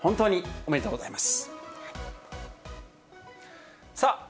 ありがとうございます。